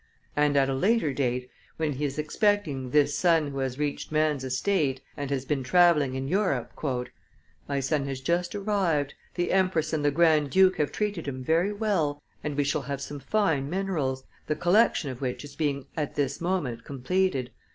And, at a later date, when he is expecting this son who has reached man's estate, and has been travelling in Europe: "My son has just arrived; the empress and the grand duke have treated him very well, and we shall have some fine minerals, the collection of which is being at this moment completed.